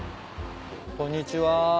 こんにちは。